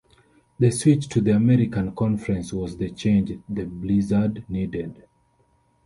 The switch to the American Conference was the change the Blizzard needed.